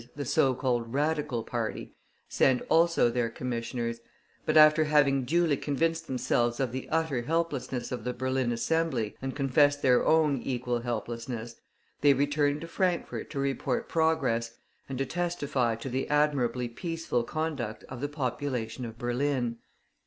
_, the so called Radical party, sent also their commissioners; but after having duly convinced themselves of the utter helplessness of the Berlin Assembly, and confessed their own equal helplessness, they returned to Frankfort to report progress, and to testify to the admirably peaceful conduct of the population of Berlin.